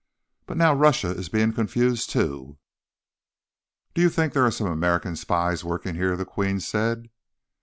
But now Russia is being confused, too." "Do you think there are some American spies working here?" the Queen said.